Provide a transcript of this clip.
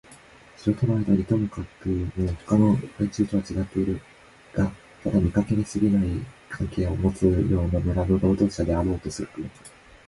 城とのあいだにともかくもほかの連中とはちがってはいるがただ見かけだけにすぎない関係をもつような村の労働者であろうとするのか、